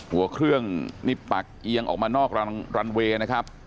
หัวเครื่องนี่ปักเอียงออกมานอกรันเวย์นะครับ